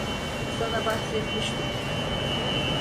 Sana bahsetmiştim.